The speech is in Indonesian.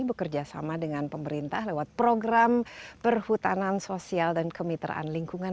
bekerja sama dengan pemerintah lewat program perhutanan sosial dan kemitraan lingkungan